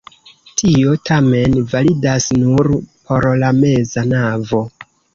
Tio tamen validas nur por la meza navo.